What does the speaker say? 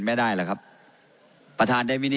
พอแล้วครับพอแล้วครับนั่งตรงแต่ครับ